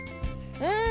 うん！